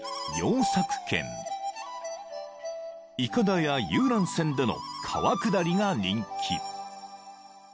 ［いかだや遊覧船での川下りが人気］